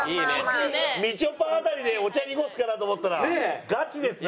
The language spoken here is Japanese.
みちょぱ辺りでお茶濁すかなと思ったらガチですね！